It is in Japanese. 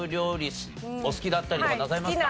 お好きだったりとかなさいますか？